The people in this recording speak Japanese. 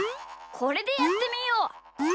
これでやってみよう！